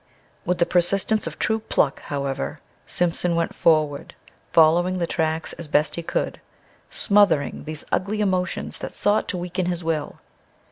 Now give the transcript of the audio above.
With the persistence of true pluck, however, Simpson went forward, following the tracks as best he could, smothering these ugly emotions that sought to weaken his will.